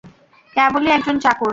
কেবলি একজন চাকর।